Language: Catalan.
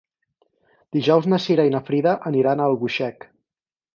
Dijous na Cira i na Frida aniran a Albuixec.